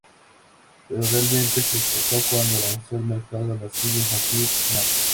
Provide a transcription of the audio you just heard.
Pero realmente se destacó cuando lanzó al mercado la silla infantil "No.